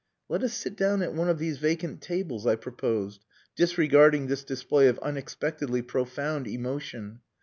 "Let us sit down at one of these vacant tables," I proposed, disregarding this display of unexpectedly profound emotion.